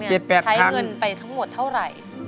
ใช้เงินไปทั้งหมดเท่าไหร่